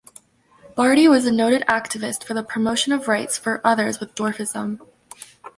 Barty was a noted activist for the promotion of rights for others with dwarfism.